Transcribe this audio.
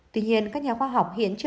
tuy nhiên các nhà khoa học hiện chưa nổi